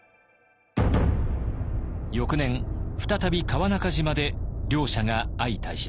翌年再び川中島で両者が相対します。